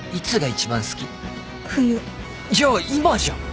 じゃあ今じゃん！